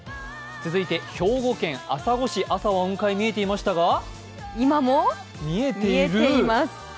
続いて兵庫県朝来市朝は雲海が見えていましたが今も見えています。